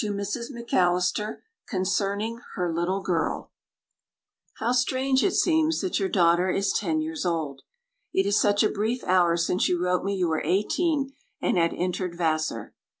To Mrs. McAllister Concerning Her Little Girl How strange it seems that your daughter is ten years old. It is such a brief hour since you wrote me you were eighteen and had entered Vassar.